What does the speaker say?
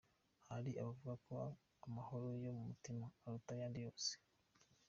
Hari abavuga ko amahoro yo mu mutima aruta ayandi yose.